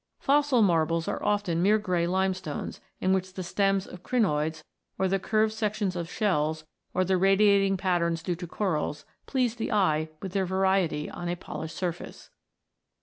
"Fossil marbles" are often mere grey limestones, in which the stems of crinoids, or the curved sections of shells, or the radiating patterns due to corals, please the eye with their variety on a polished surface.